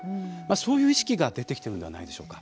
そういう意識が出てきているのではないでしょうか。